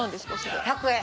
・１００円。